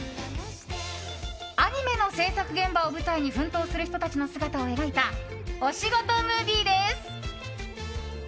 アニメの制作現場を舞台に奮闘する人たちの姿を描いたお仕事ムービーです。